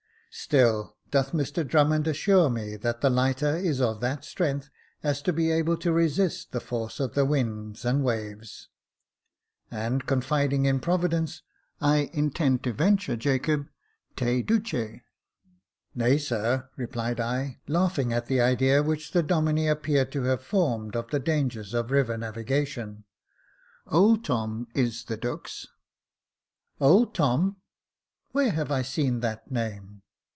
Still doth Mr Drummond assure me that the lighter is of that strength as to be able to resist the force of the winds and waves j and, confiding in Providence, I intend to venture, Jacob, * te duce^ "" Nay, sir," replied I, laughing at the idea which the Domine appeared to have formed of the dangers of river navigation, " old Tom is the Dux^^ "Old Tom J where have I seen that name?